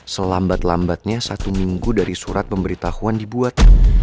selambat lambatnya satu minggu dari surat pemberitahuan dibuat